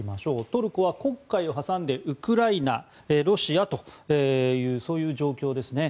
トルコは黒海を挟んでウクライナ、ロシアという状況ですね。